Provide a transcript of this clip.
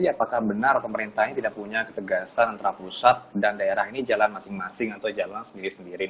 apakah benar pemerintah ini tidak punya ketegasan antara pusat dan daerah ini jalan masing masing atau jalan sendiri sendiri